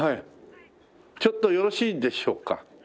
ちょっとよろしいでしょうか？